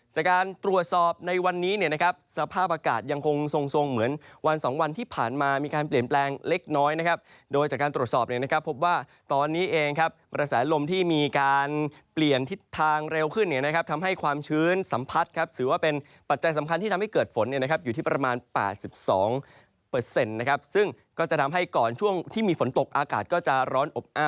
จากการตรวจสอบในวันนี้เนี่ยนะครับสภาพอากาศยังคงทรงทรงเหมือนวันสองวันที่ผ่านมามีการเปลี่ยนแปลงเล็กน้อยนะครับโดยจากการตรวจสอบเนี่ยนะครับพบว่าตอนนี้เองครับประสาทลมที่มีการเปลี่ยนทิศทางเร็วขึ้นเนี่ยนะครับทำให้ความชื้นสัมผัสครับสือว่าเป็นปัจจัยสำคัญที่ทำให้เกิดฝนเนี่ยนะครับ